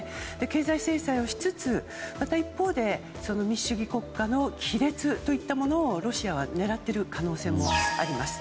経済制裁をしつつ、また一方で民主主義国家の亀裂というものをロシアは狙っている可能性もあります。